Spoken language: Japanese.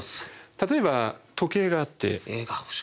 例えば時計があって。